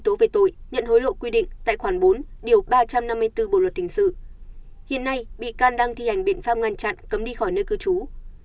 đăng việt hà truy tố về tội nhận hối lộ quy định tại khoản bốn điều ba trăm năm mươi bốn bộ luật tình sự hiện nay bị can đang thi hành biện pháp ngăn chặn cấm đi khỏi nơi cư trú